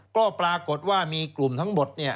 ก็ปรากฏว่ามีกลุ่มทั้งหมด